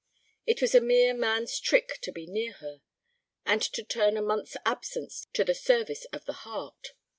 It was a mere man's trick to be near her, and to turn a month's absence to the service of the heart.